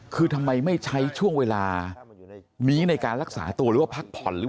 คือทำไมไม่ใช้ช่วงเวลานี้ในการรักษาตัวหรือว่าพักผ่อนหรือ